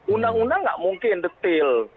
undang undang nggak mungkin detail